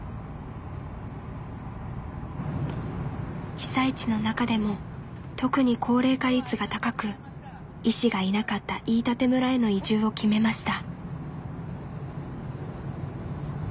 被災地の中でも特に高齢化率が高く医師がいなかった飯舘村への移住を決めました。